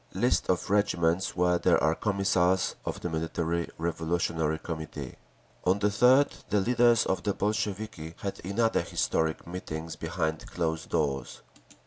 List of regiments where there are Commissars of the Military Revolutionary Committee…. On the 3rd the leaders of the Bolsheviki had another historic meeting behind closed doors.